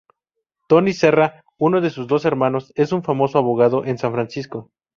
Tony Serra, uno de sus dos hermanos, es un famoso abogado en San Francisco.